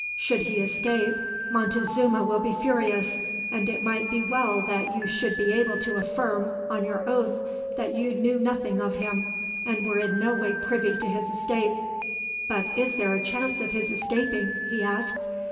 Should he escape, Montezuma will be furious; and it might be well that you should be able to affirm, on your oath, that you knew nothing of him, and were in no way privy to his escape.' "'But is there a chance of his escaping?' he asked.